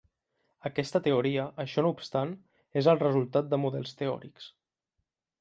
Aquesta teoria, això no obstant, és el resultat de models teòrics.